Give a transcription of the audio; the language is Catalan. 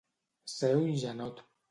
Ser un janot.